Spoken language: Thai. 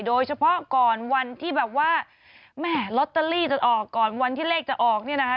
โดยเฉพาะก่อนวันที่แบบว่าแม่ลอตเตอรี่จะออกก่อนวันที่เลขจะออกเนี่ยนะคะ